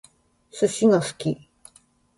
寿司が好き